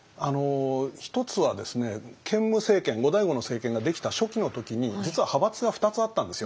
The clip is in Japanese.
１つはですね建武政権後醍醐の政権ができた初期の時に実は派閥が２つあったんですよ。